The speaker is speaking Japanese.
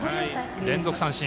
連続三振。